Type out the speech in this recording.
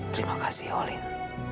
terima kasih olin